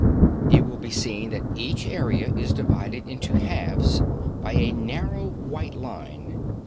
It will be seen that each area is divided into halves by a narrow white line.